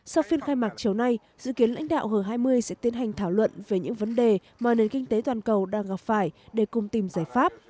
sau phiên khai mạc chiều nay dự kiến lãnh đạo g hai mươi sẽ tiến hành thảo luận về những vấn đề mà nền kinh tế toàn cầu đang gặp phải để cùng tìm giải pháp